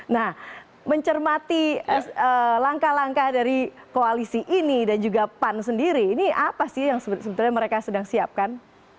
nah mencermati langkah langkah dari koalisi ini dan juga pan sendiri ini apa sih yang sebenarnya mereka sedang siapkan